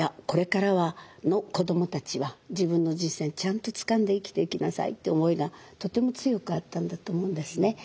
これからの子どもたちは自分の人生ちゃんとつかんで生きていきなさいって思いがとても強くあったんだと思うんですね。